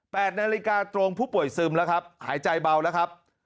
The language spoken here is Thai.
นาฬิกาตรงผู้ป่วยซึมแล้วครับหายใจเบาแล้วครับ